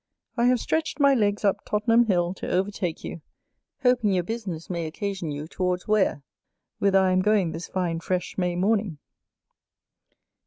I have stretched my legs up Tottenham Hill to overtake you, hoping your business may occasion you towards Ware, whither I am going this fine fresh May morning.